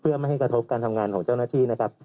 เพื่อไม่ให้กระทบการทำงานของเจ้าหน้าที่นะครับ